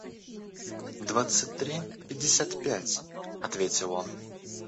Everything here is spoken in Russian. – Двадцать три пятьдесят пять, – ответил он.